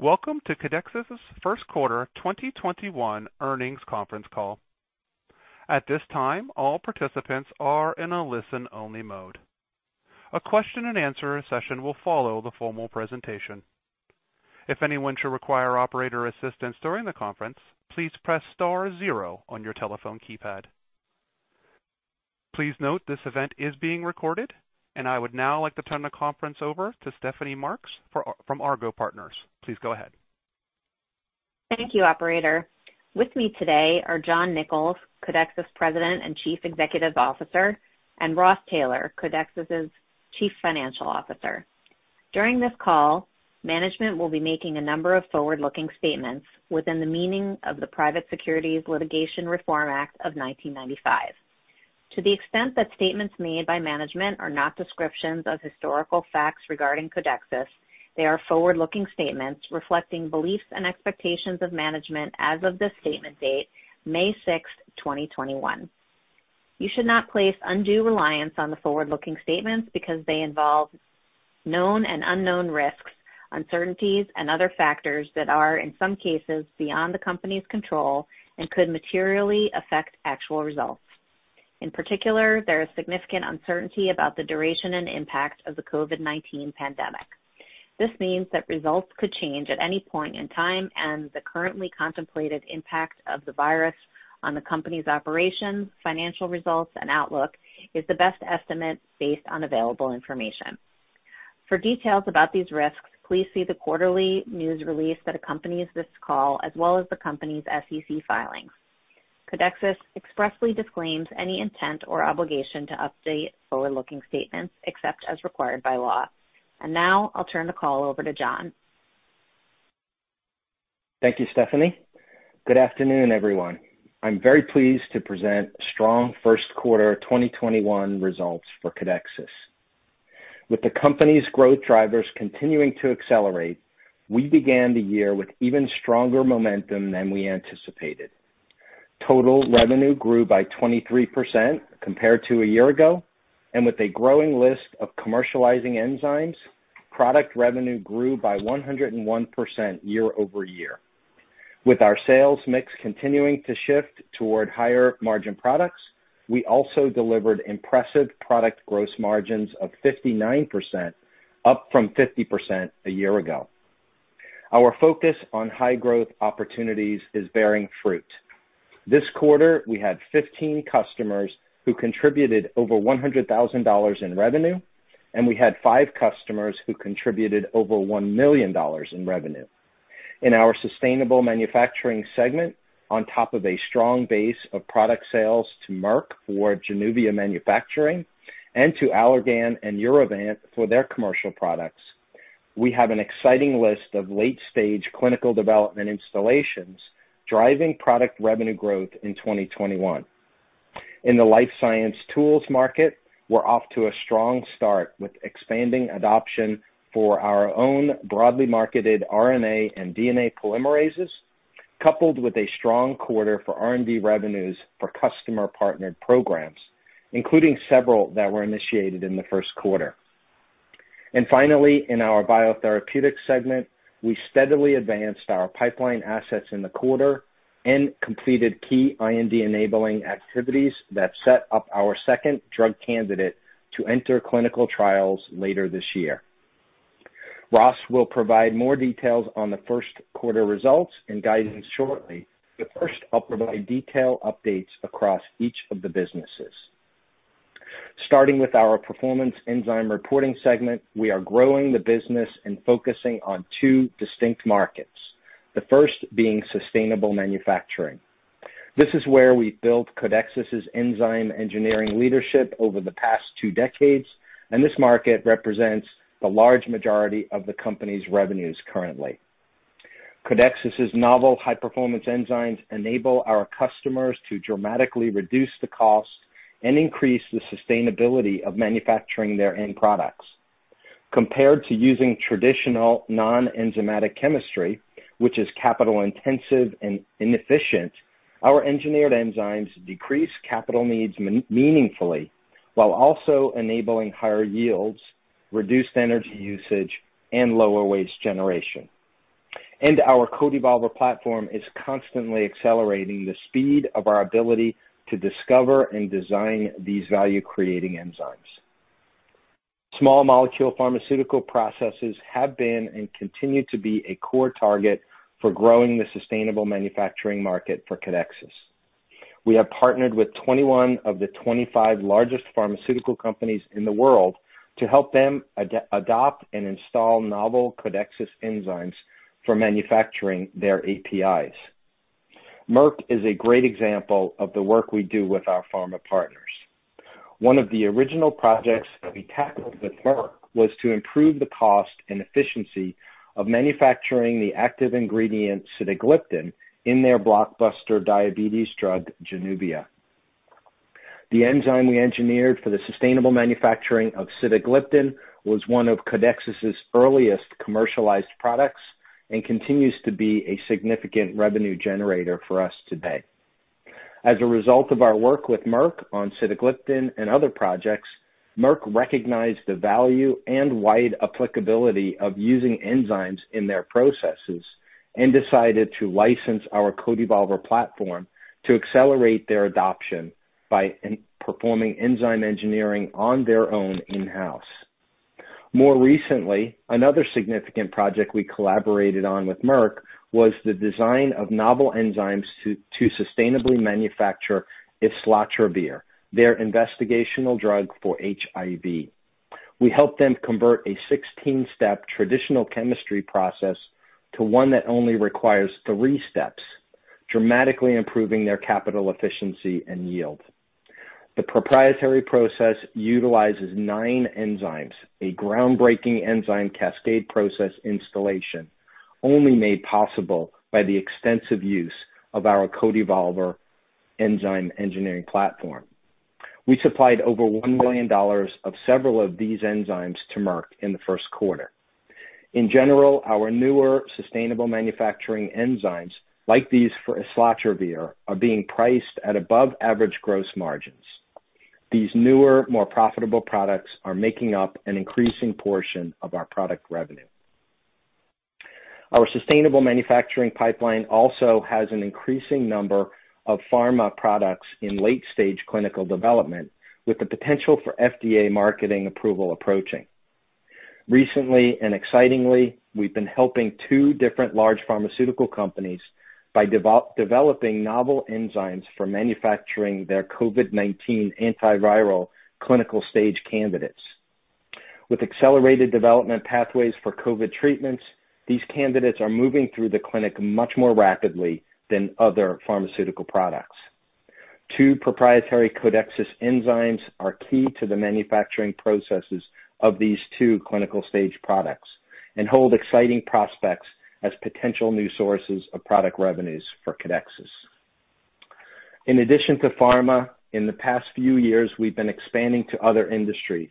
Welcome to Codexis' first quarter 2021 earnings conference call. At this time, all participants are in a listen-only mode. A question and answer session will follow the formal presentation. If anyone should require operator assistance during the conference, please press star zero on your telephone keypad. Please note this event is being recorded, and I would now like to turn the conference over to Stephanie Marks from Argot Partners. Please go ahead. Thank you, operator. With me today are John Nicols, Codexis President and Chief Executive Officer, and Ross Taylor, Codexis' Chief Financial Officer. During this call, management will be making a number of forward-looking statements within the meaning of the Private Securities Litigation Reform Act of 1995. To the extent that statements made by management are not descriptions of historical facts regarding Codexis, they are forward-looking statements reflecting beliefs and expectations of management as of this statement date, May 6th, 2021. You should not place undue reliance on the forward-looking statements because they involve known and unknown risks, uncertainties, and other factors that are, in some cases, beyond the company's control and could materially affect actual results. In particular, there is significant uncertainty about the duration and impact of the COVID-19 pandemic. This means that results could change at any point in time and the currently contemplated impact of the virus on the company's operations, financial results, and outlook is the best estimate based on available information. For details about these risks, please see the quarterly news release that accompanies this call, as well as the company's SEC filings. Codexis expressly disclaims any intent or obligation to update forward-looking statements except as required by law. Now I'll turn the call over to John. Thank you, Stephanie. Good afternoon, everyone. I'm very pleased to present strong first-quarter 2021 results for Codexis. With the company's growth drivers continuing to accelerate, we began the year with even stronger momentum than we anticipated. Total revenue grew by 23% compared to a year ago. With a growing list of commercializing enzymes, product revenue grew by 101% year-over-year. With our sales mix continuing to shift toward higher margin products, we also delivered impressive product gross margins of 59%, up from 50% a year ago. Our focus on high-growth opportunities is bearing fruit. This quarter, we had 15 customers who contributed over $100,000 in revenue. We had five customers who contributed over $1 million in revenue. In our sustainable manufacturing segment, on top of a strong base of product sales to Merck for JANUVIA manufacturing and to Allergan and Urovant for their commercial products, we have an exciting list of late-stage clinical development installations driving product revenue growth in 2021. In the life science tools market, we're off to a strong start with expanding adoption for our own broadly marketed RNA and DNA polymerases, coupled with a strong quarter for R&D revenues for customer-partnered programs, including several that were initiated in the first quarter. Finally, in our Novel Biotherapeutic Segment, we steadily advanced our pipeline assets in the quarter and completed key IND-enabling activities that set up our second drug candidate to enter clinical trials later this year. Ross will provide more details on the first quarter results and guidance shortly, but first, I'll provide detail updates across each of the businesses. Starting with our Performance Enzymes reporting segment, we are growing the business and focusing on two distinct markets, the first being sustainable manufacturing. This is where we built Codexis' enzyme engineering leadership over the past two decades, this market represents the large majority of the company's revenues currently. Codexis' novel high-performance enzymes enable our customers to dramatically reduce the cost and increase the sustainability of manufacturing their end products. Compared to using traditional non-enzymatic chemistry, which is capital-intensive and inefficient, our engineered enzymes decrease capital needs meaningfully while also enabling higher yields, reduced energy usage, and lower waste generation. Our CodeEvolver platform is constantly accelerating the speed of our ability to discover and design these value-creating enzymes. Small molecule pharmaceutical processes have been and continue to be a core target for growing the sustainable manufacturing market for Codexis. We have partnered with 21 of the 25 largest pharmaceutical companies in the world to help them adopt and install novel Codexis enzymes for manufacturing their APIs. Merck is a great example of the work we do with our pharma partners. One of the original projects that we tackled with Merck was to improve the cost and efficiency of manufacturing the active ingredient sitagliptin in their blockbuster diabetes drug, JANUVIA. The enzyme we engineered for the sustainable manufacturing of sitagliptin was one of Codexis' earliest commercialized products and continues to be a significant revenue generator for us today. As a result of our work with Merck on sitagliptin and other projects, Merck recognized the value and wide applicability of using enzymes in their processes and decided to license our CodeEvolver platform to accelerate their adoption by performing enzyme engineering on their own in-house. More recently, another significant project we collaborated on with Merck was the design of novel enzymes to sustainably manufacture islatravir, their investigational drug for HIV. We helped them convert a 16-step traditional chemistry process to one that only requires three steps, dramatically improving their capital efficiency and yield. The proprietary process utilizes nine enzymes, a groundbreaking enzyme cascade process installation only made possible by the extensive use of our CodeEvolver enzyme engineering platform. We supplied over $1 million of several of these enzymes to Merck in the first quarter. In general, our newer sustainable manufacturing enzymes like these for islatravir, are being priced at above-average gross margins. These newer, more profitable products are making up an increasing portion of our product revenue. Our sustainable manufacturing pipeline also has an increasing number of pharma products in late-stage clinical development with the potential for FDA marketing approval approaching. Recently, and excitingly, we've been helping two different large pharmaceutical companies by developing novel enzymes for manufacturing their COVID-19 antiviral clinical stage candidates. With accelerated development pathways for COVID treatments, these candidates are moving through the clinic much more rapidly than other pharmaceutical products. Two proprietary Codexis enzymes are key to the manufacturing processes of these two clinical-stage products and hold exciting prospects as potential new sources of product revenues for Codexis. In addition to pharma, in the past few years, we've been expanding to other industries,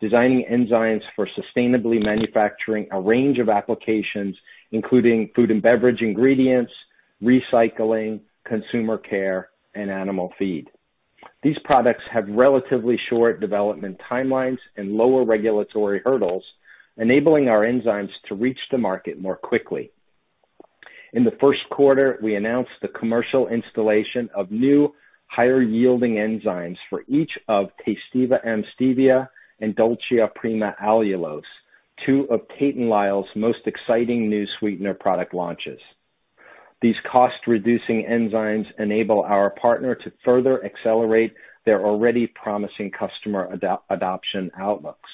designing enzymes for sustainably manufacturing a range of applications, including food and beverage ingredients, recycling, consumer care, and animal feed. These products have relatively short development timelines and lower regulatory hurdles, enabling our enzymes to reach the market more quickly. In the first quarter, we announced the commercial installation of new, higher-yielding enzymes for each of TASTEVA M Stevia and DOLCIA PRIMA Allulose, two of Tate & Lyle's most exciting new sweetener product launches. These cost-reducing enzymes enable our partner to further accelerate their already promising customer adoption outlooks.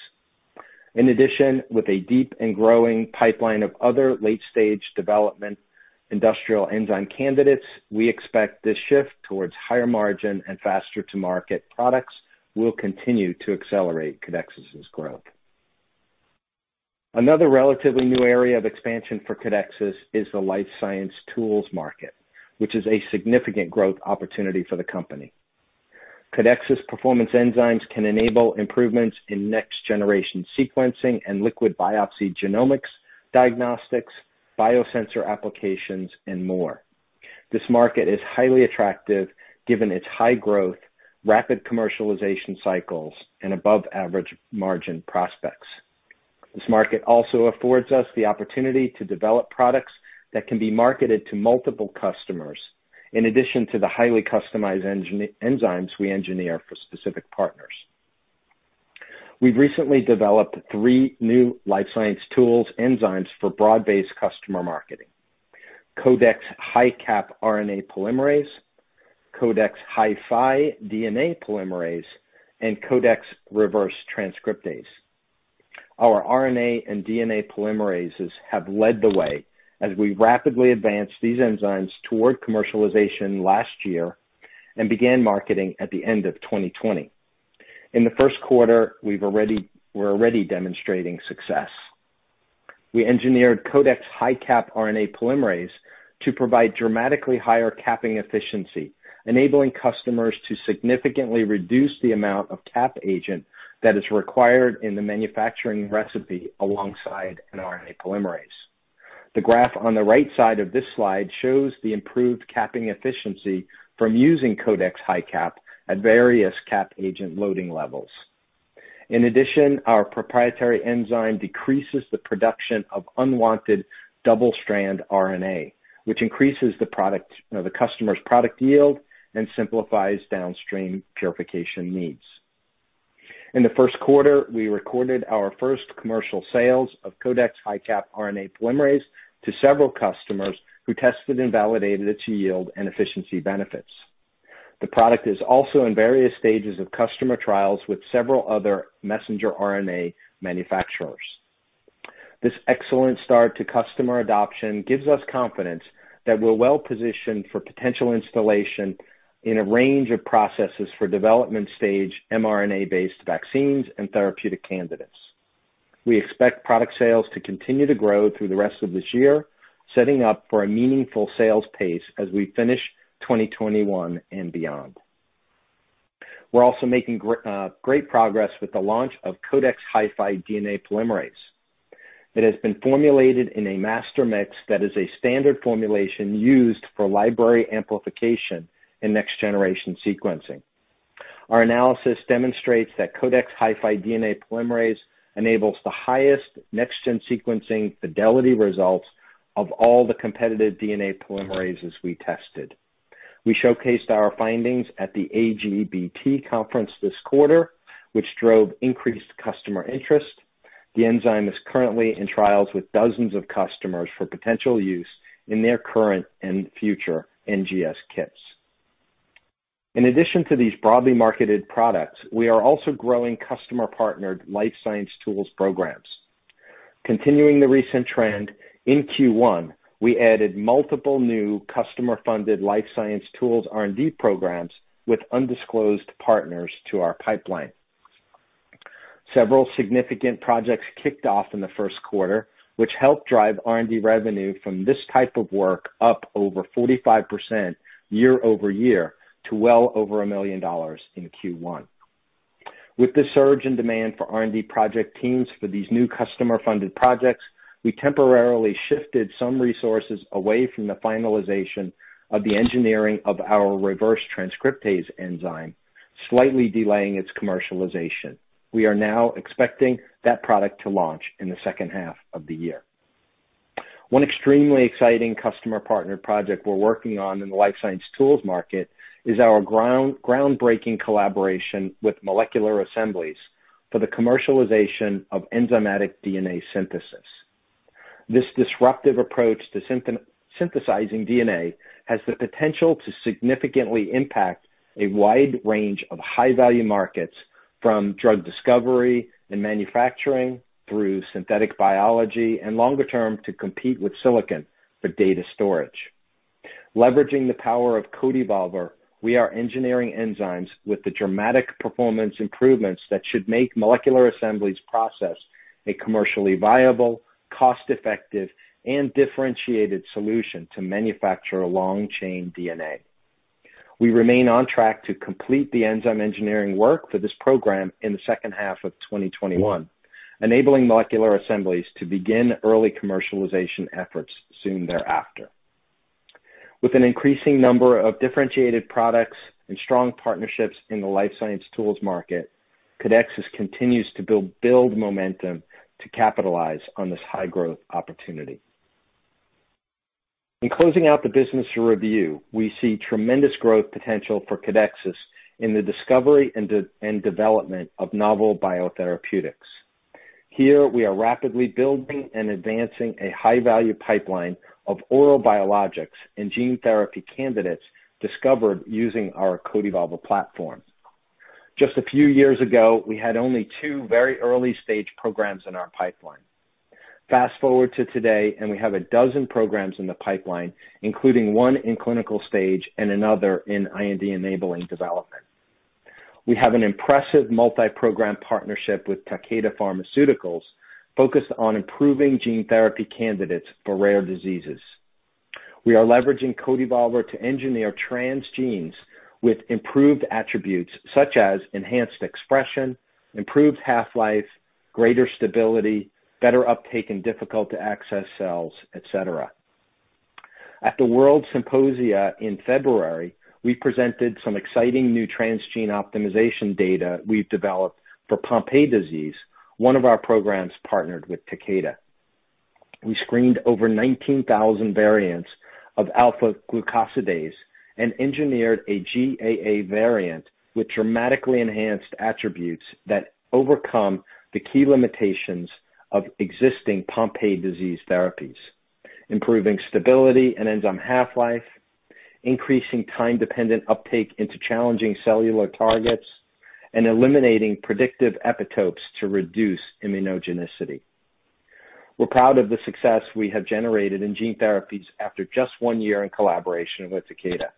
In addition, with a deep and growing pipeline of other late-stage development industrial enzyme candidates, we expect this shift towards higher margin and faster-to-market products will continue to accelerate Codexis's growth. Another relatively new area of expansion for Codexis is the life science tools market, which is a significant growth opportunity for the company. Codexis Performance Enzymes can enable improvements in next-generation sequencing and liquid biopsy, genomics, diagnostics, biosensor applications and more. This market is highly attractive given its high growth, rapid commercialization cycles, and above-average margin prospects. This market also affords us the opportunity to develop products that can be marketed to multiple customers in addition to the highly customized enzymes we engineer for specific partners. We've recently developed three new life science tools enzymes for broad-based customer marketing. Codex HiCap RNA polymerase, Codex HiFi DNA polymerase, and Codex reverse transcriptase. Our RNA and DNA polymerases have led the way as we rapidly advanced these enzymes toward commercialization last year and began marketing at the end of 2020. In the first quarter, we're already demonstrating success. We engineered Codex HiCap RNA polymerase to provide dramatically higher capping efficiency, enabling customers to significantly reduce the amount of cap agent that is required in the manufacturing recipe alongside an RNA polymerase. The graph on the right side of this slide shows the improved capping efficiency from using Codex HiCap at various cap agent loading levels. In addition, our proprietary enzyme decreases the production of unwanted double-stranded RNA, which increases the customer's product yield and simplifies downstream purification needs. In the first quarter, we recorded our first commercial sales of Codex HiCap RNA polymerase to several customers who tested and validated its yield and efficiency benefits. The product is also in various stages of customer trials with several other messenger RNA manufacturers. This excellent start to customer adoption gives us confidence that we're well-positioned for potential installation in a range of processes for development-stage mRNA-based vaccines and therapeutic candidates. We expect product sales to continue to grow through the rest of this year, setting up for a meaningful sales pace as we finish 2021 and beyond. We're also making great progress with the launch of Codex HiFi DNA polymerase. It has been formulated in a master mix that is a standard formulation used for library amplification in next-generation sequencing. Our analysis demonstrates that Codex HiFi DNA polymerase enables the highest next-gen sequencing fidelity results of all the competitive DNA polymerases we tested. We showcased our findings at the AGBT conference this quarter, which drove increased customer interest. The enzyme is currently in trials with dozens of customers for potential use in their current and future NGS kits. In addition to these broadly marketed products, we are also growing customer-partnered life science tools programs. Continuing the recent trend, in Q1, we added multiple new customer-funded life science tools R&D programs with undisclosed partners to our pipeline. Several significant projects kicked off in the first quarter, which helped drive R&D revenue from this type of work up over 45% year-over-year to well over $1 million in Q1. With the surge in demand for R&D project teams for these new customer-funded projects, we temporarily shifted some resources away from the finalization of the engineering of our reverse transcriptase enzyme, slightly delaying its commercialization. We are now expecting that product to launch in the second half of the year. One extremely exciting customer partner project we're working on in the life science tools market is our groundbreaking collaboration with Molecular Assemblies for the commercialization of enzymatic DNA synthesis. This disruptive approach to synthesizing DNA has the potential to significantly impact a wide range of high-value markets, from drug discovery and manufacturing through synthetic biology, and longer term, to compete with silicon for data storage. Leveraging the power of CodeEvolver, we are engineering enzymes with the dramatic performance improvements that should make Molecular Assemblies' process a commercially viable, cost-effective, and differentiated solution to manufacture long-chain DNA. We remain on track to complete the enzyme engineering work for this program in the second half of 2021, enabling Molecular Assemblies to begin early commercialization efforts soon thereafter. With an increasing number of differentiated products and strong partnerships in the life science tools market, Codexis continues to build momentum to capitalize on this high-growth opportunity. In closing out the business review, we see tremendous growth potential for Codexis in the discovery and development of novel biotherapeutics. Here, we are rapidly building and advancing a high-value pipeline of oral biologics and gene therapy candidates discovered using our CodeEvolver platform. Just a few years ago, we had only two very early-stage programs in our pipeline. Fast-forward to today. We have 12 programs in the pipeline, including one in clinical stage and another in IND-enabling development. We have an impressive multi-program partnership with Takeda Pharmaceuticals focused on improving gene therapy candidates for rare diseases. We are leveraging CodeEvolver to engineer transgenes with improved attributes such as enhanced expression, improved half-life, greater stability, better uptake in difficult-to-access cells, et cetera. At the WORLDSymposium in February, we presented some exciting new transgene optimization data we've developed for Pompe disease, one of our programs partnered with Takeda. We screened over 19,000 variants of alpha-glucosidase and engineered a GAA variant with dramatically enhanced attributes that overcome the key limitations of existing Pompe disease therapies, improving stability and enzyme half-life, increasing time-dependent uptake into challenging cellular targets, and eliminating predictive epitopes to reduce immunogenicity. We're proud of the success we have generated in gene therapies after just one year in collaboration with Takeda.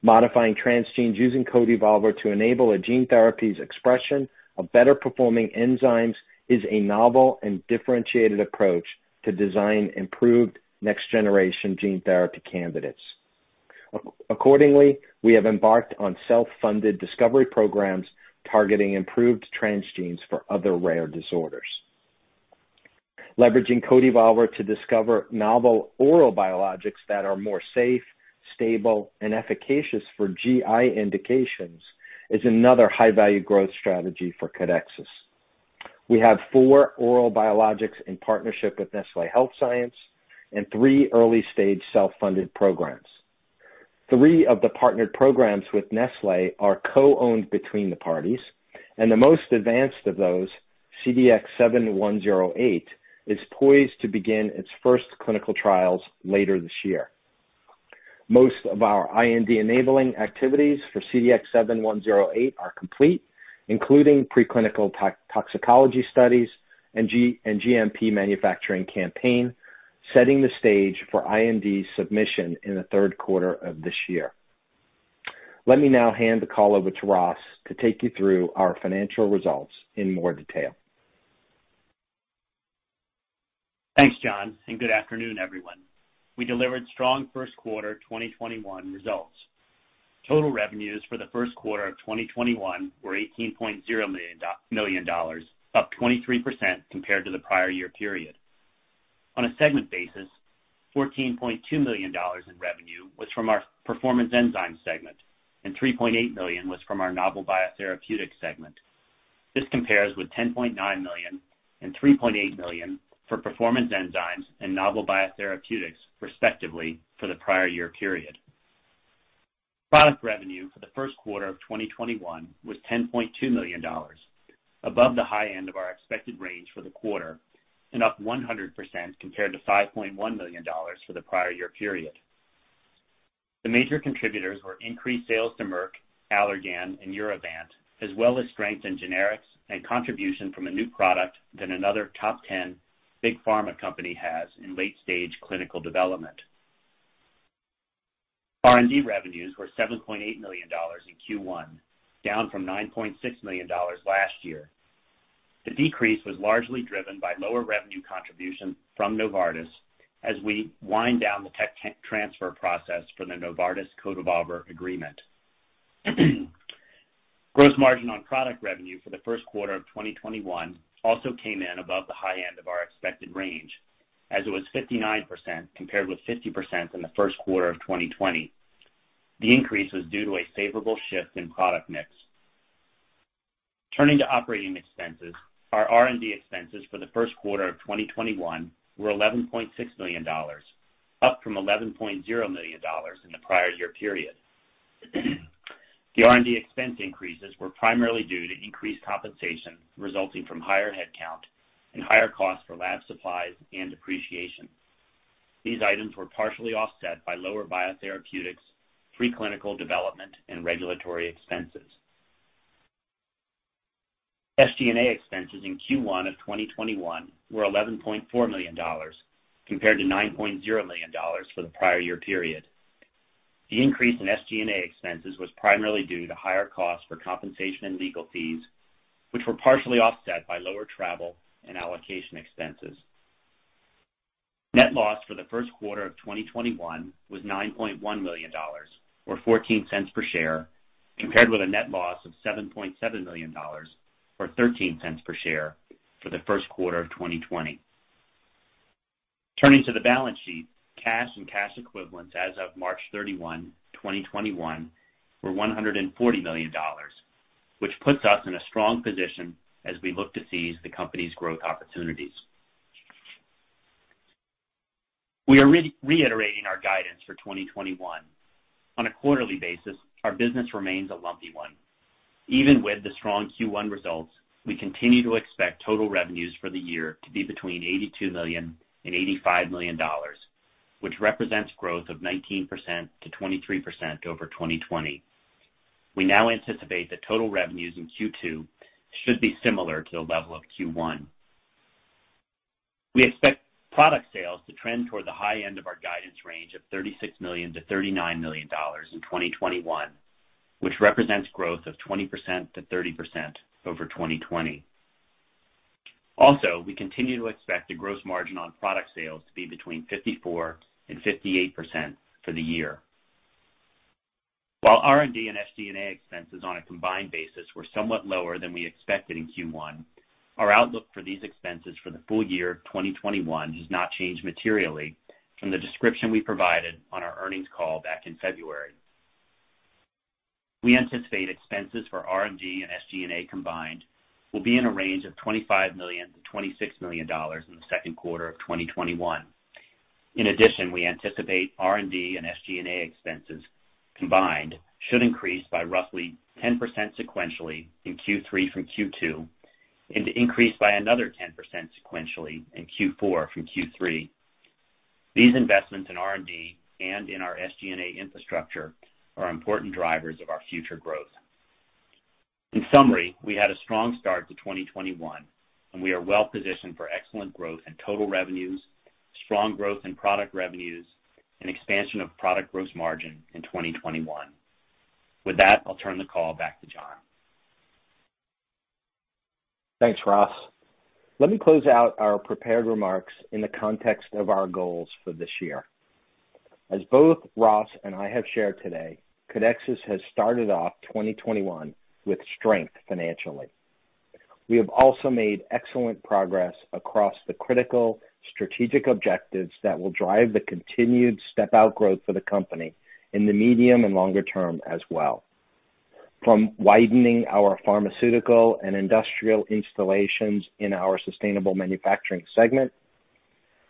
Modifying transgenes using CodeEvolver to enable a gene therapy's expression of better-performing enzymes is a novel and differentiated approach to design improved next-generation gene therapy candidates. Accordingly, we have embarked on self-funded discovery programs targeting improved transgenes for other rare disorders. Leveraging CodeEvolver to discover novel oral biologics that are more safe, stable, and efficacious for GI indications is another high-value growth strategy for Codexis. We have four oral biologics in partnership with Nestlé Health Science and three early-stage self-funded programs. Three of the partnered programs with Nestlé are co-owned between the parties, and the most advanced of those, CDX-7108, is poised to begin its first clinical trials later this year. Most of our IND-enabling activities for CDX-7108 are complete, including preclinical toxicology studies and GMP manufacturing campaign, setting the stage for IND submission in the third quarter of this year. Let me now hand the call over to Ross to take you through our financial results in more detail. Thanks, John. Good afternoon, everyone. We delivered strong first-quarter 2021 results. Total revenues for the first quarter of 2021 were $18.0 million, up 23% compared to the prior year period. On a segment basis, $14.2 million in revenue was from our Performance Enzymes segment and $3.8 million was from our Novel Biotherapeutics segment. This compares with $10.9 million and $3.8 million for Performance Enzymes and Novel Biotherapeutics, respectively, for the prior year period. Product revenue for the first quarter of 2021 was $10.2 million, above the high end of our expected range for the quarter and up 100% compared to $5.1 million for the prior year period. The major contributors were increased sales to Merck, Allergan and Urovant, as well as strength in generics and contribution from a new product that another top 10 big pharma company has in late-stage clinical development. R&D revenues were $7.8 million in Q1, down from $9.6 million last year. The decrease was largely driven by lower revenue contribution from Novartis as we wind down the tech transfer process for the Novartis CodeEvolver agreement. Gross margin on product revenue for the first quarter of 2021 also came in above the high end of our expected range, as it was 59% compared with 50% in the first quarter of 2020. The increase was due to a favorable shift in product mix. Turning to operating expenses, our R&D expenses for the first quarter of 2021 were $11.6 million, up from $11.0 million in the prior year period. The R&D expense increases were primarily due to increased compensation resulting from higher headcount and higher cost for lab supplies and depreciation. These items were partially offset by lower biotherapeutics, pre-clinical development and regulatory expenses. SG&A expenses in Q1 of 2021 were $11.4 million compared to $9.0 million for the prior year period. The increase in SG&A expenses was primarily due to higher costs for compensation and legal fees, which were partially offset by lower travel and allocation expenses. Net loss for the first quarter of 2021 was $9.1 million, or $0.14 per share, compared with a net loss of $7.7 million or $0.13 per share for the first quarter of 2020. Turning to the balance sheet, cash and cash equivalents as of March 31, 2021, were $140 million, which puts us in a strong position as we look to seize the company's growth opportunities. We are reiterating our guidance for 2021. On a quarterly basis, our business remains a lumpy one. Even with the strong Q1 results, we continue to expect total revenues for the year to be between $82 million and $85 million, which represents growth of 19%-23% over 2020. We now anticipate that total revenues in Q2 should be similar to the level of Q1. We expect product sales to trend toward the high end of our guidance range of $36 million-$39 million in 2021, which represents growth of 20%-30% over 2020. We continue to expect the gross margin on product sales to be between 54% and 58% for the year. While R&D and SG&A expenses on a combined basis were somewhat lower than we expected in Q1, our outlook for these expenses for the full year 2021 has not changed materially from the description we provided on our earnings call back in February. We anticipate expenses for R&D and SG&A combined will be in a range of $25 million-$26 million in the second quarter of 2021. In addition, we anticipate R&D and SG&A expenses combined should increase by roughly 10% sequentially in Q3 from Q2, and increase by another 10% sequentially in Q4 from Q3. These investments in R&D and in our SG&A infrastructure are important drivers of our future growth. In summary, we had a strong start to 2021 and we are well-positioned for excellent growth in total revenues, strong growth in product revenues, and expansion of product gross margin in 2021. With that, I'll turn the call back to John. Thanks, Ross. Let me close out our prepared remarks in the context of our goals for this year. As both Ross and I have shared today, Codexis has started off 2021 with strength financially. We have also made excellent progress across the critical strategic objectives that will drive the continued step-out growth for the company in the medium and longer term as well. From widening our pharmaceutical and industrial installations in our sustainable manufacturing segment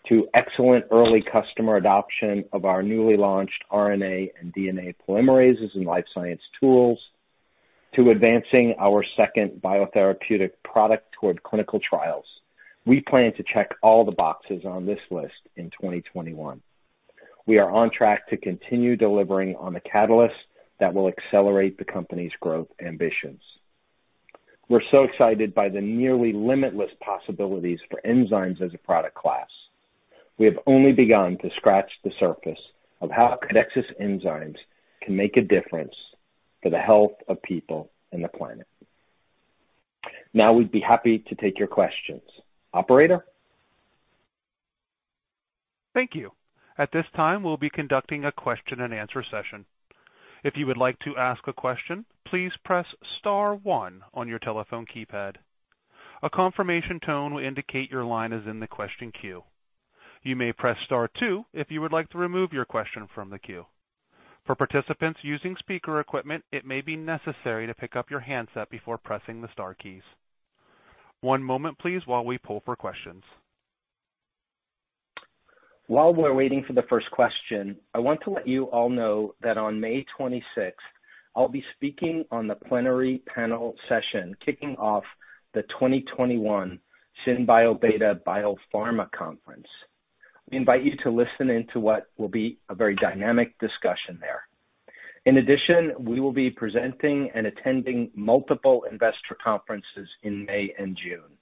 to excellent early customer adoption of our newly launched RNA and DNA polymerases and life science tools, to advancing our second biotherapeutic product toward clinical trials. We plan to check all the boxes on this list in 2021. We are on track to continue delivering on the catalysts that will accelerate the company's growth ambitions. We're so excited by the nearly limitless possibilities for enzymes as a product class. We have only begun to scratch the surface of how Codexis enzymes can make a difference for the health of people and the planet. Now we'd be happy to take your questions. Operator? Thank you. At this time, we'll be conducting a question-and-answer session. If you would like to ask a question, please press star one on your telephone keypad. A confirmation tone will indicate your line is in the question queue. You may press star two if you would like to remove your question from the queue. For participants using speaker equipment, it may be necessary to pick up your handset before pressing the star keys. One moment please, while we poll for questions. While we're waiting for the first question, I want to let you all know that on May 26th, I'll be speaking on the plenary panel session, kicking off the 2021 SynBioBeta Biopharma Conference. We invite you to listen in to what will be a very dynamic discussion there. In addition, we will be presenting and attending multiple investor conferences in May and June.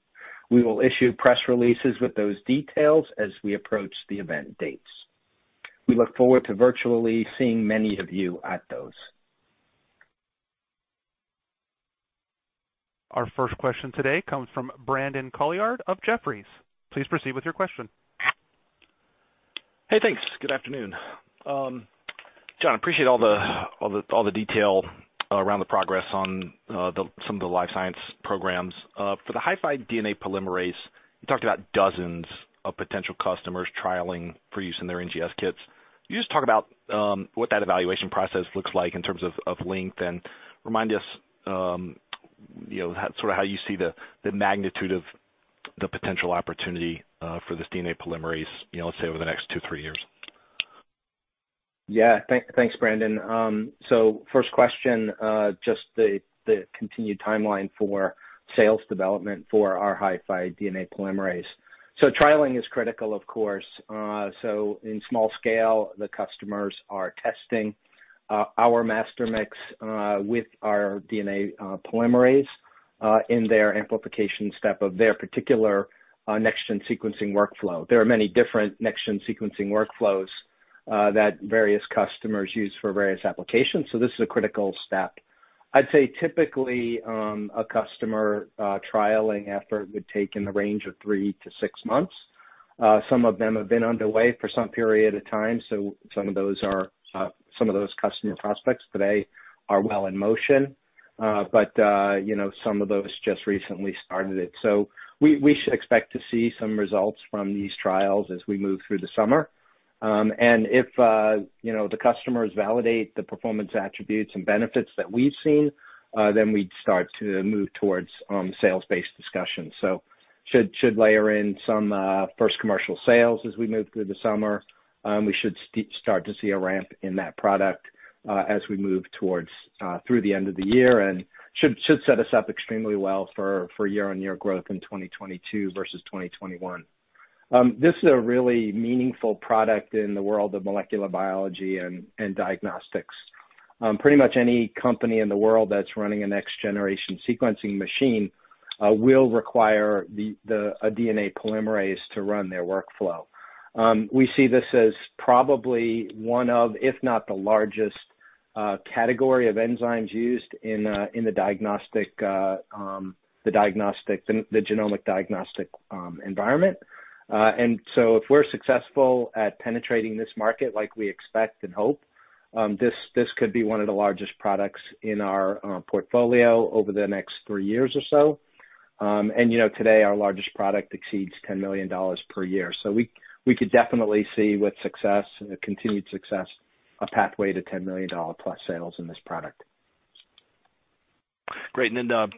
We will issue press releases with those details as we approach the event dates. We look forward to virtually seeing many of you at those. Our first question today comes from Brandon Couillard of Jefferies. Please proceed with your question. Hey, thanks. Good afternoon. John, appreciate all the detail around the progress on some of the life science programs. For the HiFi DNA polymerase, you talked about dozens of potential customers trialing for use in their NGS kits. Can you just talk about what that evaluation process looks like in terms of length and remind us how you see the magnitude of the potential opportunity for this DNA polymerase, let's say over the next two, three years. Yeah. Thanks, Brandon. First question, just the continued timeline for sales development for our HiFi DNA polymerase. Trailing is critical, of course. In small scale, the customers are testing our master mix with our DNA polymerase in their amplification step of their particular Next-Gen Sequencing workflow. There are many different Next-Gen Sequencing workflows that various customers use for various applications. This is a critical step. I'd say typically, a customer trialing effort would take in the range of three to six months. Some of them have been underway for some period of time, some of those customer prospects today are well in motion. Some of those just recently started it. We should expect to see some results from these trials as we move through the summer. If the customers validate the performance attributes and benefits that we've seen, then we'd start to move towards sales-based discussions. Should layer in some first commercial sales as we move through the summer. We should start to see a ramp in that product as we move through the end of the year and should set us up extremely well for year-on-year growth in 2022 versus 2021. This is a really meaningful product in the world of molecular biology and diagnostics. Pretty much any company in the world that's running a next-generation sequencing machine will require a DNA polymerase to run their workflow. We see this as probably one of, if not the largest, category of enzymes used in the genomic diagnostic environment. If we're successful at penetrating this market like we expect and hope, this could be one of the largest products in our portfolio over the next three years or so. Today our largest product exceeds $10 million per year. We could definitely see with success, a continued success, a pathway to $10 million plus sales in this product. Great.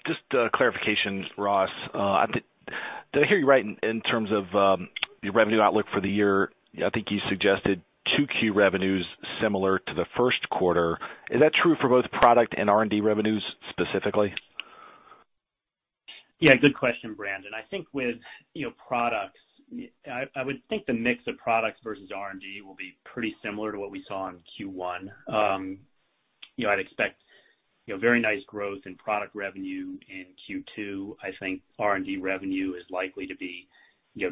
Just a clarification, Ross. Did I hear you right in terms of your revenue outlook for the year? I think you suggested 2Q revenues similar to the first quarter. Is that true for both product and R&D revenues specifically? Yeah, good question, Brandon. I would think the mix of products versus R&D will be pretty similar to what we saw in Q1. I'd expect very nice growth in product revenue in Q2. I think R&D revenue is likely to be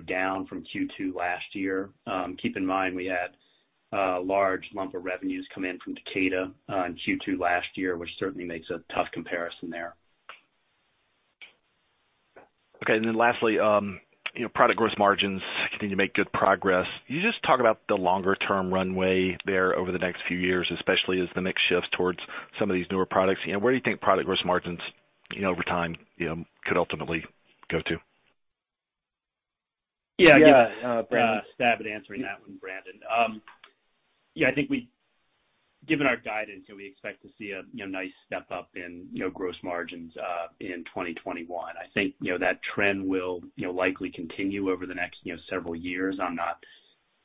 down from Q2 last year. Keep in mind, we had a large lump of revenues come in from Takeda in Q2 last year, which certainly makes a tough comparison there. Okay. Lastly, product gross margins continue to make good progress. Can you just talk about the longer-term runway there over the next few years, especially as the mix shifts towards some of these newer products? Where do you think product gross margins over time could ultimately go to? Yeah. Yeah. Brandon. I'll have a stab at answering that one, Brandon. Yeah, I think given our guidance, we expect to see a nice step up in gross margins in 2021. I think that trend will likely continue over the next several years. I'm not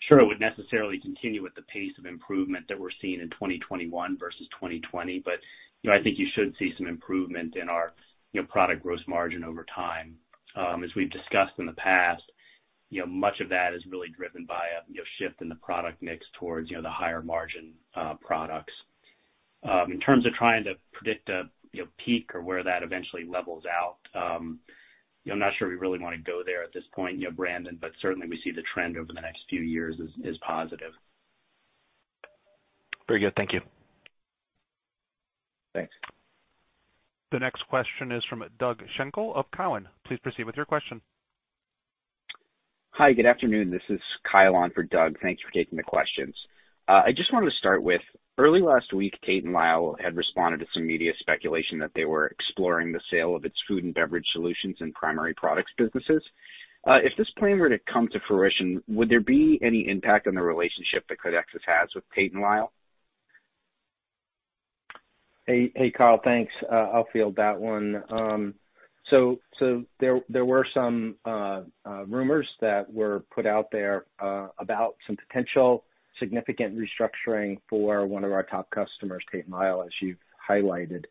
sure it would necessarily continue with the pace of improvement that we're seeing in 2021 versus 2020. I think you should see some improvement in our product gross margin over time. As we've discussed in the past, much of that is really driven by a shift in the product mix towards the higher margin products. In terms of trying to predict a peak or where that eventually levels out, I'm not sure we really want to go there at this point, Brandon, but certainly we see the trend over the next few years is positive. Very good. Thank you. Thanks. The next question is from Doug Schenkel of Cowen. Please proceed with your question. Hi, good afternoon. This is Kyle on for Doug. Thanks for taking the questions. I just wanted to start with, early last week, Tate & Lyle had responded to some media speculation that they were exploring the sale of its food and beverage solutions and primary products businesses. If this plan were to come to fruition, would there be any impact on the relationship that Codexis has with Tate & Lyle? Kyle. Thanks. I'll field that one. There were some rumors that were put out there about some potential significant restructuring for one of our top customers, Tate & Lyle, as you've highlighted.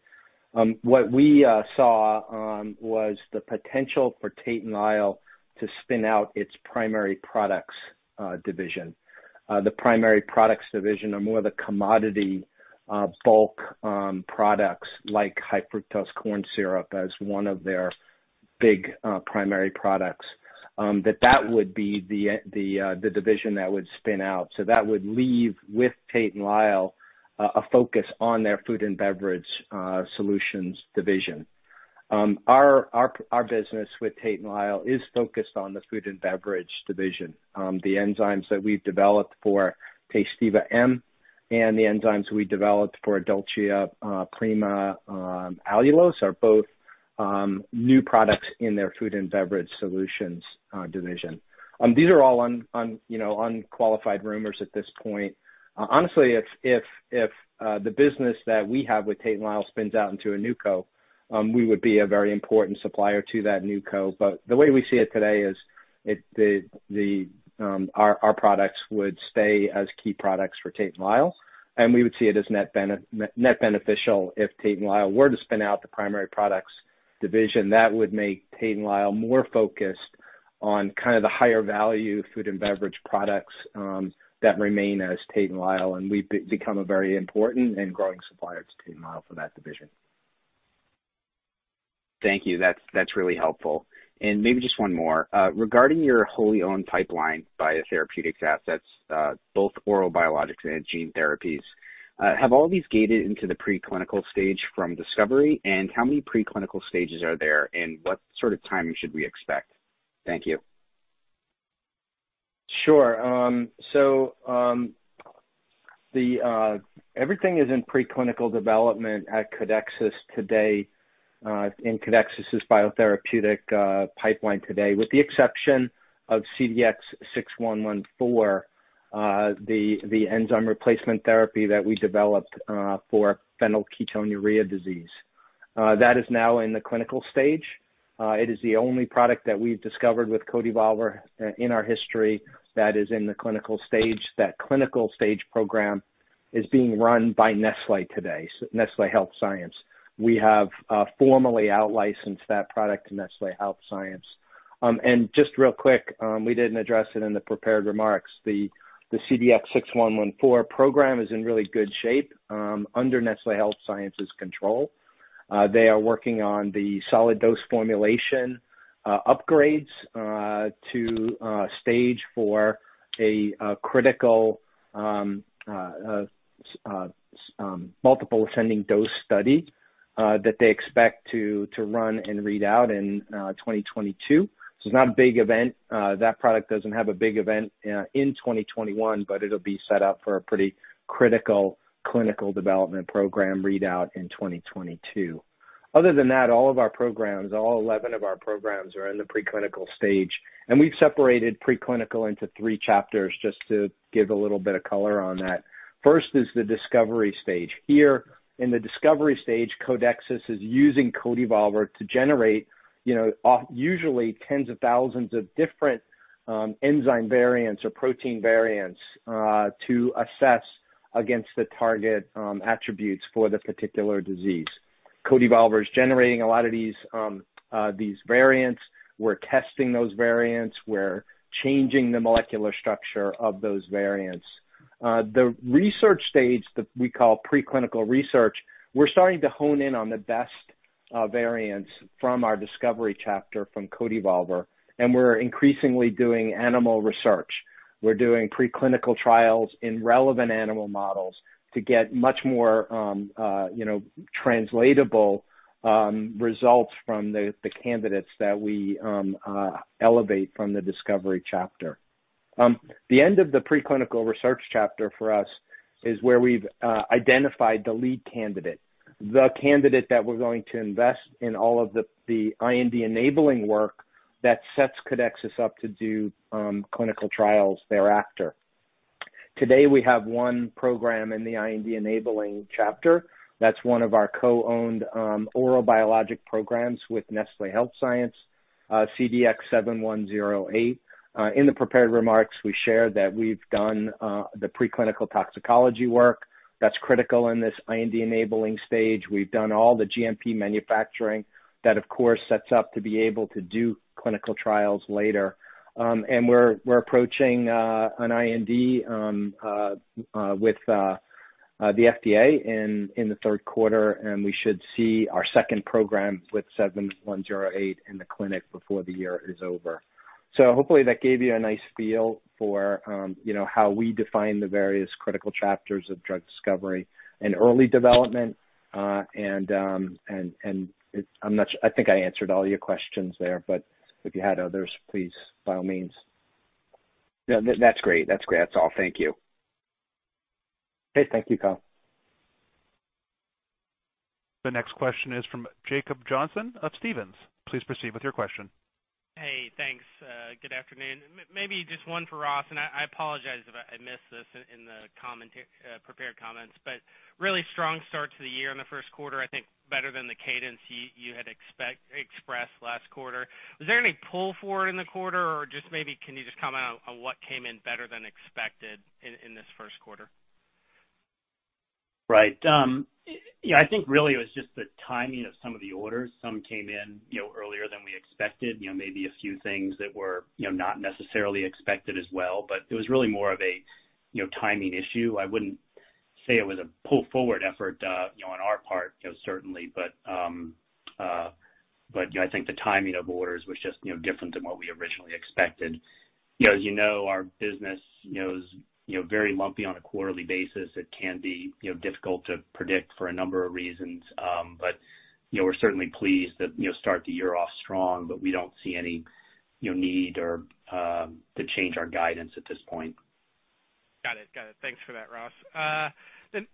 What we saw was the potential for Tate & Lyle to spin out its Primary Products Division. The Primary Products Division are more the commodity bulk products like high fructose corn syrup as one of their big primary products. That would be the division that would spin out. That would leave with Tate & Lyle a focus on their Food and Beverage Solutions Division. Our business with Tate & Lyle is focused on the Food and Beverage Division. The enzymes that we've developed for Tasteva M and the enzymes we developed for DOLCIA PRIMA Allulose are both new products in their Food and Beverage Solutions Division. These are all unqualified rumors at this point. Honestly, if the business that we have with Tate & Lyle spins out into a new co, we would be a very important supplier to that new co. The way we see it today is our products would stay as key products for Tate & Lyle, and we would see it as net beneficial if Tate & Lyle were to spin out the primary products division. That would make Tate & Lyle more focused on kind of the higher value food and beverage products that remain as Tate & Lyle, and we become a very important and growing supplier to Tate & Lyle for that division. Thank you. That's really helpful. Maybe just one more. Regarding your wholly owned pipeline biotherapeutics assets, both oral biologics and gene therapies. Have all these gated into the preclinical stage from discovery, and how many preclinical stages are there, and what sort of timing should we expect? Thank you. Sure. Everything is in preclinical development at Codexis today, in Codexis' biotherapeutic pipeline today, with the exception of CDX-6114, the enzyme replacement therapy that we developed for phenylketonuria. That is now in the clinical stage. It is the only product that we've discovered with CodeEvolver in our history that is in the clinical stage. That clinical stage program is being run by Nestlé today, Nestlé Health Science. We have formally out-licensed that product to Nestlé Health Science. Just real quick, we didn't address it in the prepared remarks. The CDX-6114 program is in really good shape under Nestlé Health Science's control. They are working on the solid dose formulation upgrades to stage for a critical multiple ascending dose study that they expect to run and read out in 2022. It's not a big event. That product doesn't have a big event in 2021, but it'll be set up for a pretty critical clinical development program readout in 2022. Other than that, all of our programs, all 11 of our programs, are in the preclinical stage, and we've separated preclinical into three chapters just to give a little bit of color on that. First is the discovery stage. Here in the discovery stage, Codexis is using CodeEvolver to generate usually tens of thousands of different enzyme variants or protein variants to assess against the target attributes for the particular disease. CodeEvolver is generating a lot of these variants. We're testing those variants. We're changing the molecular structure of those variants. The research stage that we call preclinical research, we're starting to hone in on the best variants from our discovery chapter from CodeEvolver, and we're increasingly doing animal research. We're doing preclinical trials in relevant animal models to get much more translatable results from the candidates that we elevate from the discovery chapter. The end of the preclinical research chapter for us is where we've identified the lead candidate, the candidate that we're going to invest in all of the IND-enabling work that sets Codexis up to do clinical trials thereafter. Today, we have one program in the IND-enabling chapter. That's one of our co-owned oral biologic programs with Nestlé Health Science, CDX-7108. In the prepared remarks, we shared that we've done the preclinical toxicology work that's critical in this IND-enabling stage. We've done all the GMP manufacturing that, of course, sets up to be able to do clinical trials later. We're approaching an IND with the FDA in the third quarter, and we should see our second program with CDX-7108 in the clinic before the year is over. Hopefully that gave you a nice feel for how we define the various critical chapters of drug discovery and early development. I think I answered all your questions there, but if you had others, please, by all means. Yeah, that's great. That's all. Thank you. Okay. Thank you, Kyle. The next question is from Jacob Johnson of Stephens. Please proceed with your question. Hey, thanks. Good afternoon. Maybe just one for Ross, and I apologize if I missed this in the prepared comments, but really strong start to the year in the first quarter. I think better than the cadence you had expressed last quarter. Was there any pull forward in the quarter or just maybe can you just comment on what came in better than expected in this first quarter? Right. Yeah, I think really it was just the timing of some of the orders. Some came in earlier than we expected. Maybe a few things that were not necessarily expected as well, but it was really more of a timing issue. I wouldn't say it was a pull-forward effort on our part certainly, but I think the timing of orders was just different than what we originally expected. As you know, our business is very lumpy on a quarterly basis. It can be difficult to predict for a number of reasons. We're certainly pleased to start the year off strong, but we don't see any need to change our guidance at this point. Got it. Thanks for that, Ross.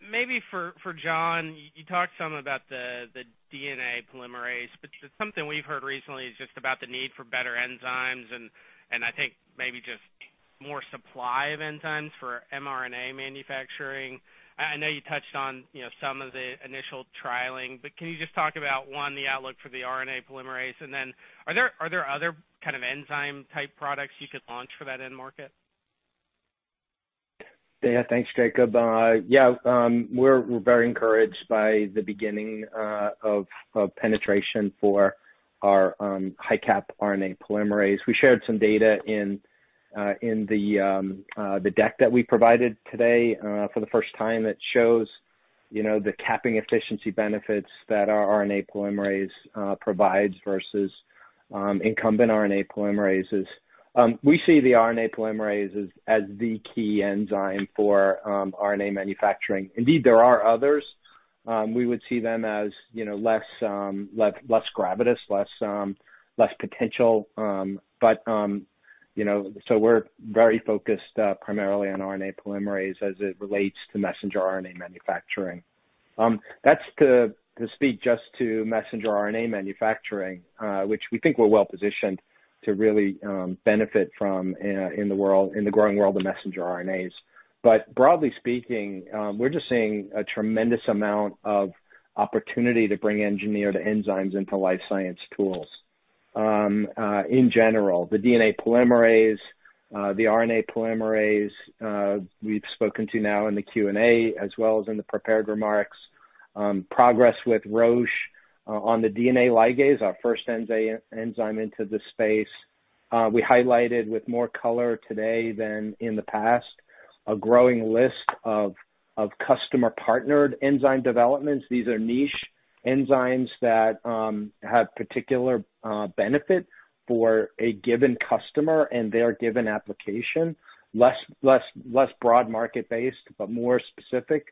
Maybe for John, you talked some about the DNA polymerase, but something we've heard recently is just about the need for better enzymes and I think maybe just more supply of enzymes for mRNA manufacturing. I know you touched on some of the initial trialing, but can you just talk about, one, the outlook for the RNA polymerase, and then are there other kind of enzyme-type products you could launch for that end market? Yeah. Thanks, Jacob. Yeah, we're very encouraged by the beginning of penetration for our HiCap RNA polymerase. We shared some data in the deck that we provided today for the first time that shows the capping efficiency benefits that our RNA polymerase provides versus incumbent RNA polymerases. We see the RNA polymerase as the key enzyme for RNA manufacturing. Indeed, there are others. We would see them as less gravitas, less potential. We're very focused primarily on RNA polymerase as it relates to messenger RNA manufacturing. That's to speak just to messenger RNA manufacturing, which we think we're well-positioned to really benefit from in the growing world of messenger RNAs. Broadly speaking, we're just seeing a tremendous amount of opportunity to bring engineered enzymes into life science tools. In general, the DNA polymerase, the RNA polymerase, we've spoken to now in the Q&A as well as in the prepared remarks, progress with Roche on the DNA ligase, our first enzyme into the space. We highlighted with more color today than in the past, a growing list of customer-partnered enzyme developments. These are niche enzymes that have particular benefit for a given customer and their given application, less broad market-based, but more specific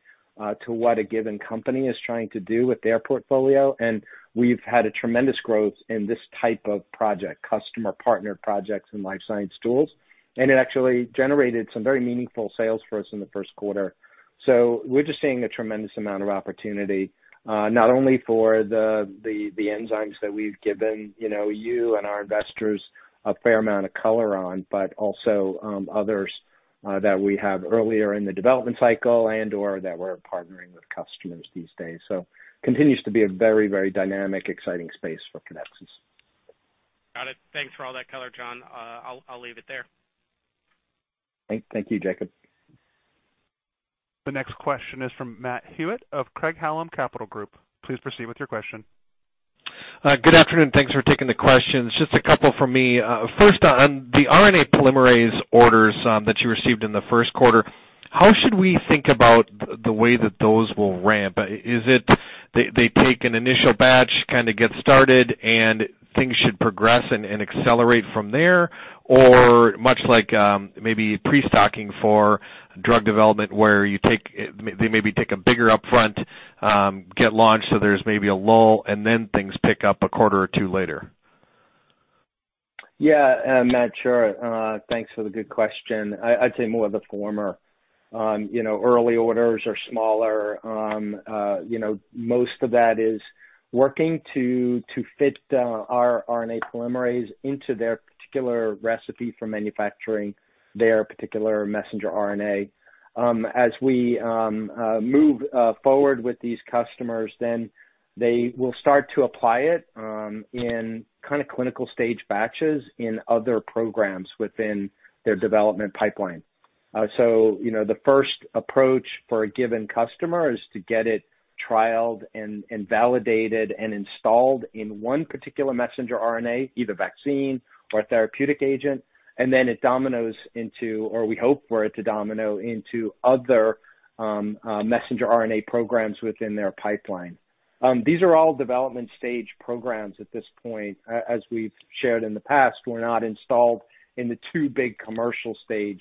to what a given company is trying to do with their portfolio, and we've had a tremendous growth in this type of project, customer partner projects in life science tools. It actually generated some very meaningful sales for us in the first quarter. We're just seeing a tremendous amount of opportunity, not only for the enzymes that we've given you and our investors a fair amount of color on, but also others that we have earlier in the development cycle and/or that we're partnering with customers these days. Continues to be a very, very dynamic, exciting space for Codexis. Got it. Thanks for all that color, John. I'll leave it there. Thank you, Jacob. The next question is from Matthew Hewitt of Craig-Hallum Capital Group. Please proceed with your question. Good afternoon. Thanks for taking the questions. Just a couple from me. First, on the RNA polymerase orders that you received in the first quarter, how should we think about the way that those will ramp? Is it they take an initial batch, kind of get started, and things should progress and accelerate from there? Or much like maybe pre-stocking for drug development where they maybe take a bigger upfront, get launched, so there's maybe a lull, and then things pick up a quarter or two later? Yeah, Matt, sure. Thanks for the good question. I'd say more of the former. Early orders are smaller. Most of that is working to fit our RNA polymerase into their particular recipe for manufacturing their particular messenger RNA. We move forward with these customers, they will start to apply it in kind of clinical stage batches in other programs within their development pipeline. The first approach for a given customer is to get it trialed and validated and installed in one particular messenger RNA, either vaccine or therapeutic agent, and then it dominoes into, or we hope for it to domino into other messenger RNA programs within their pipeline. These are all development-stage programs at this point. We've shared in the past, we're not installed in the two big commercial stage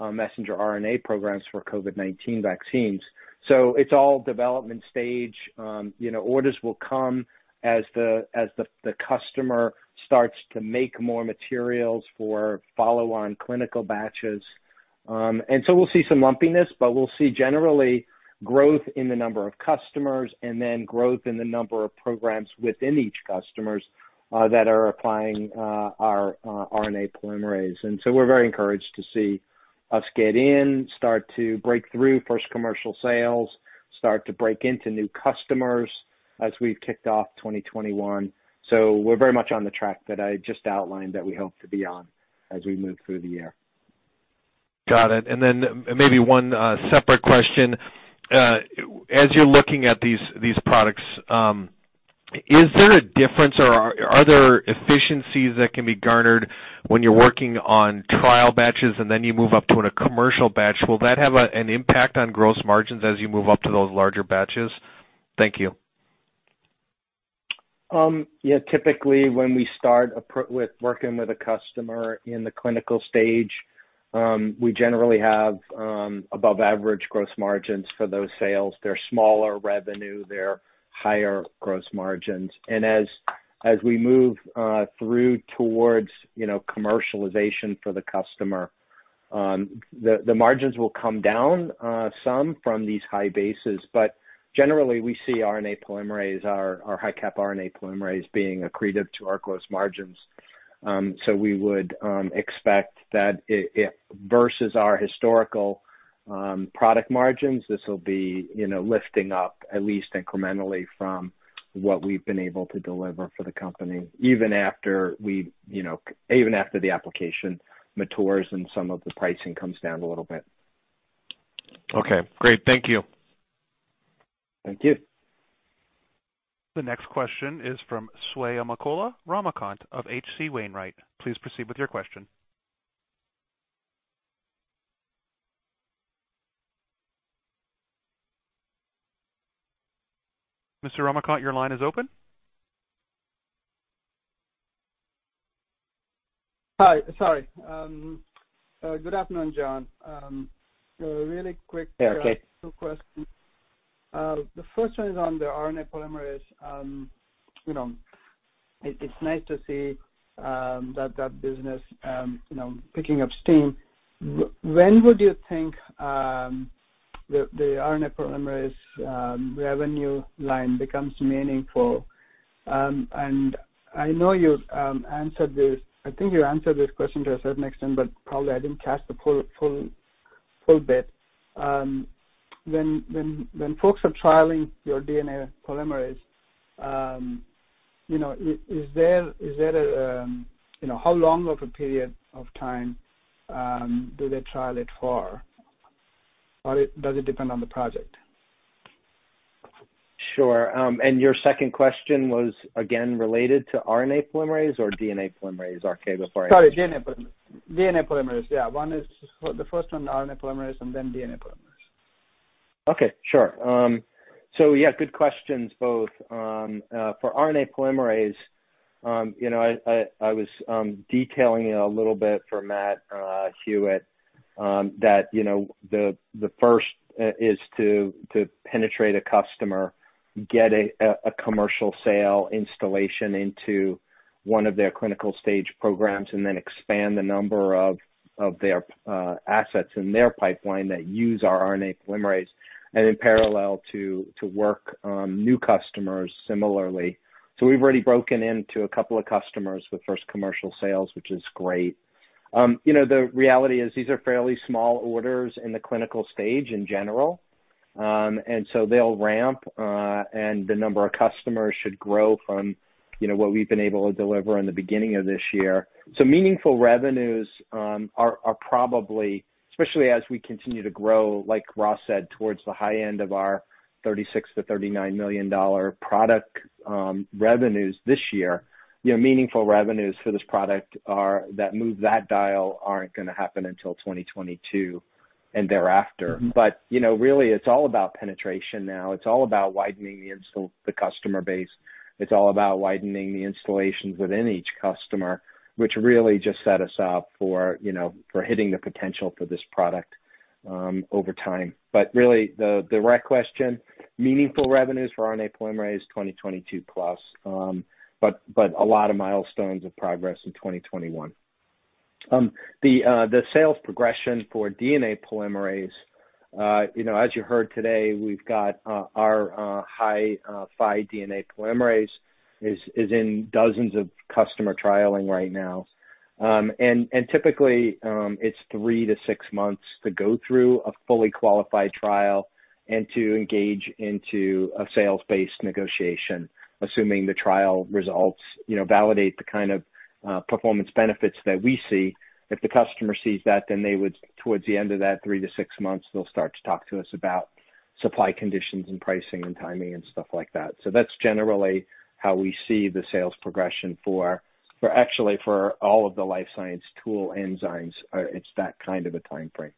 messenger RNA programs for COVID-19 vaccines. It's all development stage. Orders will come as the customer starts to make more materials for follow-on clinical batches. We'll see some lumpiness, but we'll see generally growth in the number of customers and then growth in the number of programs within each customers that are applying our RNA polymerase. We're very encouraged to see us get in, start to break through first commercial sales, start to break into new customers as we've kicked off 2021. We're very much on the track that I just outlined that we hope to be on as we move through the year. Got it. Maybe one separate question. As you're looking at these products, is there a difference or are there efficiencies that can be garnered when you're working on trial batches and then you move up to a commercial batch? Will that have an impact on gross margins as you move up to those larger batches? Thank you. Yeah. Typically, when we start with working with a customer in the clinical stage, we generally have above-average gross margins for those sales. They're smaller revenue, they're higher gross margins. As we move through towards commercialization for the customer, the margins will come down some from these high bases. Generally, we see our Codex HiCap RNA polymerase being accretive to our gross margins. We would expect that versus our historical product margins, this will be lifting up at least incrementally from what we've been able to deliver for the company, even after the application matures and some of the pricing comes down a little bit. Okay, great. Thank you. Thank you. The next question is from Swayampakula Ramakanth of H.C. Wainwright. Please proceed with your question. Mr. Ramakanth, your line is open. Hi, sorry. Good afternoon, John. Hey, RK. Two questions. The first one is on the RNA polymerase. It's nice to see that business picking up steam. When would you think the RNA polymerase revenue line becomes meaningful? I know you answered this. I think you answered this question to a certain extent, but probably I didn't catch the full bit. When folks are trialing your DNA polymerase, how long of a period of time do they trial it for? Does it depend on the project? Sure. Your second question was, again, related to RNA polymerase or DNA polymerase, RK, before I- Sorry, DNA polymerase. Yeah, the first one, RNA polymerase, and then DNA polymerase. Okay, sure. Good questions both. For RNA polymerase, I was detailing it a little bit for Matthew Hewitt, that the first is to penetrate a customer, get a commercial sale installation into one of their clinical stage programs and then expand the number of their assets in their pipeline that use our RNA polymerase, and in parallel to work new customers similarly. We've already broken into a couple of customers with first commercial sales, which is great. The reality is these are fairly small orders in the clinical stage in general. They'll ramp, and the number of customers should grow from what we've been able to deliver in the beginning of this year. Meaningful revenues are probably, especially as we continue to grow, like Ross said, towards the high end of our $36 million-$39 million product revenues this year, meaningful revenues for this product that move that dial aren't going to happen until 2022 and thereafter. Really, it's all about penetration now. It's all about widening the customer base. It's all about widening the installations within each customer, which really just set us up for hitting the potential for this product over time. Really, the direct question, meaningful revenues for RNA Polymerase 2022 plus, but a lot of milestones of progress in 2021. The sales progression for DNA Polymerase, as you heard today, our HiFi DNA Polymerase is in dozens of customer trialing right now. Typically, it's three to six months to go through a fully qualified trial and to engage into a sales-based negotiation, assuming the trial results validate the kind of performance benefits that we see. If the customer sees that, then towards the end of that three to six months, they'll start to talk to us about supply conditions and pricing and timing and stuff like that. That's generally how we see the sales progression for actually for all of the life science tool enzymes, it's that kind of a timeframe.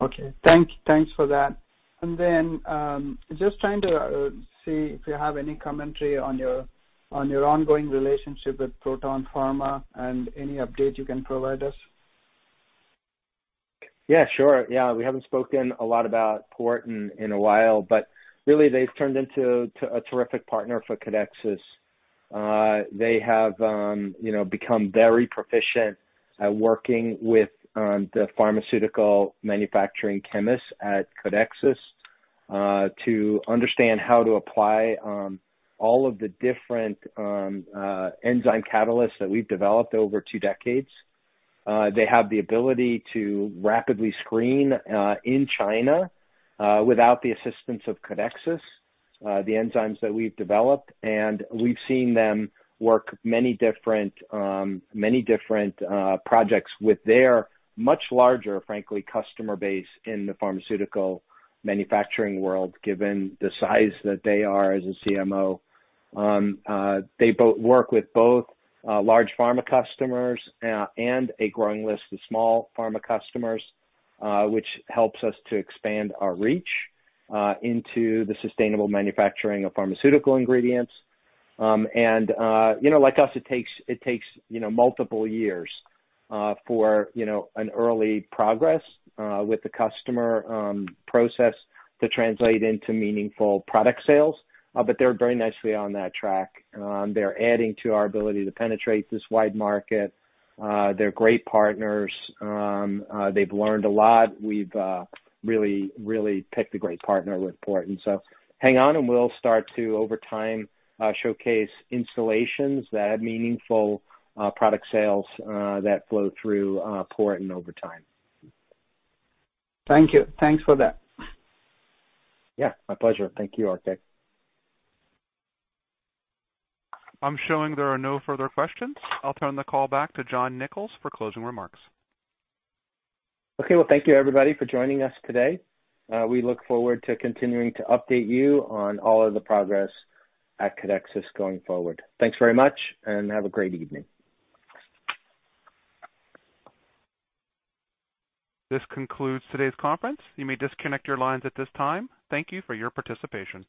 Okay. Thanks for that. Then, just trying to see if you have any commentary on your ongoing relationship with Porton Pharma and any update you can provide us. Yeah, sure. We haven't spoken a lot about Porton in a while, really, they've turned into a terrific partner for Codexis. They have become very proficient at working with the pharmaceutical manufacturing chemists at Codexis to understand how to apply all of the different enzyme catalysts that we've developed over two decades. They have the ability to rapidly screen in China without the assistance of Codexis. The enzymes that we've developed, we've seen them work many different projects with their much larger, frankly, customer base in the pharmaceutical manufacturing world, given the size that they are as a CMO. They work with both large pharma customers and a growing list of small pharma customers, which helps us to expand our reach into the sustainable manufacturing of pharmaceutical ingredients. Like us, it takes multiple years for an early progress with the customer process to translate into meaningful product sales, but they're very nicely on that track. They're adding to our ability to penetrate this wide market. They're great partners. They've learned a lot. We've really picked a great partner with Porton. Hang on, and we'll start to, over time, showcase installations that have meaningful product sales that flow through Porton over time. Thank you. Thanks for that. Yeah, my pleasure. Thank you, RK. I'm showing there are no further questions. I'll turn the call back to John Nicols for closing remarks. Okay. Well, thank you everybody for joining us today. We look forward to continuing to update you on all of the progress at Codexis going forward. Thanks very much and have a great evening. This concludes today's conference. You may disconnect your lines at this time. Thank you for your participation.